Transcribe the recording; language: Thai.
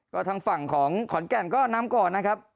ก็ทางฝั่งของขอนแก่นก็นำก่อนนะครับ